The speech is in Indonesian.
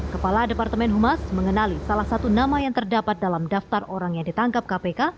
kepala departemen humas mengenali salah satu nama yang terdapat dalam daftar orang yang ditangkap kpk